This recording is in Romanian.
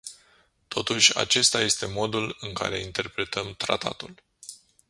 Totuși acesta este modul în care interpretăm tratatul.